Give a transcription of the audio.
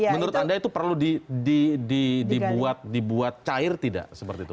menurut anda itu perlu dibuat cair tidak seperti itu